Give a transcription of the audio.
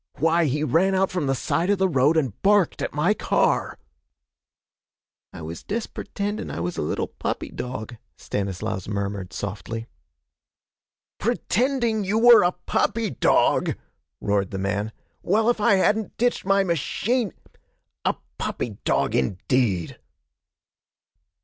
'Why, he ran out from the side of the road and barked at my car!' 'I was dest pertendin' I was a little puppy dog,' Stanislaus murmured softly. 'Pretending you were a puppy dog!' roared the man. 'Well, if I hadn't ditched my machine ! A puppy dog, indeed!'